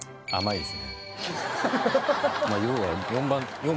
甘いです